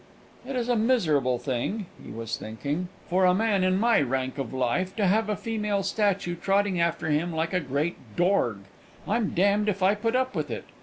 "It is a miserable thing," he was thinking, "for a man in my rank of life to have a female statue trotting after him like a great dorg. I'm d d if I put up with it!